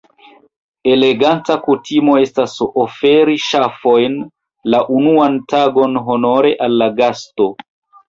Eleganta kutimo estas oferi ŝafojn la unuan tagon honore al la gasto.